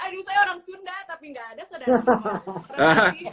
aduh saya orang sunda tapi nggak ada saudara nama aura kasih